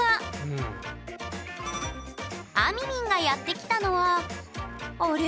あみみんがやって来たのはあれ？